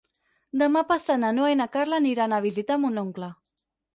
Demà passat na Noa i na Carla aniran a visitar mon oncle.